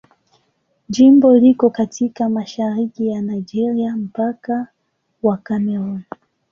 Jimbo liko katika mashariki ya Nigeria, mpakani wa Kamerun.